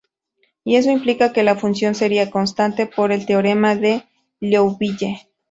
Y eso implica que la función sería constante por el teorema de Liouville.